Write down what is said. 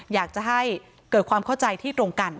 อยากจะให้เกิดความเข้าใจที่ตรงกัน